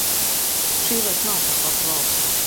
Šī vairs nav tā pati valsts.